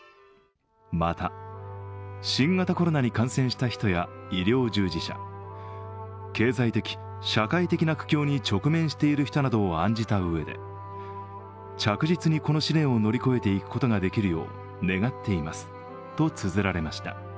また、新型コロナに感染した人や医療従事者、経済的社会的な苦境に直面している人などを案じた上で着実に、この試連を乗り越えていくことができるよう願っていますとつづられました。